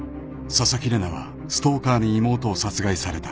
［紗崎玲奈はストーカーに妹を殺害された］